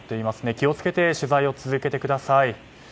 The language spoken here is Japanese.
気を付けて取材を続けてください。